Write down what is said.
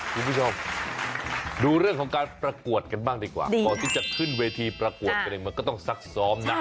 ผู้ชมดูเรื่องของการประกวดกันบ้างดีกว่าต้องสักซ้อมนะ